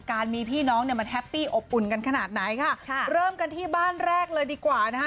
มีพี่น้องเนี่ยมันแฮปปี้อบอุ่นกันขนาดไหนค่ะค่ะเริ่มกันที่บ้านแรกเลยดีกว่านะคะ